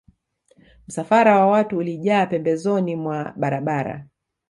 Msafara wa watu ulijaa pembezoni mwa barabara